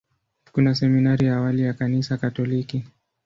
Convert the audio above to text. Kuna seminari ya awali ya Kanisa Katoliki.